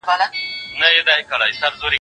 زه هره ورځ د سبا لپاره د کتابونو مطالعه کوم؟!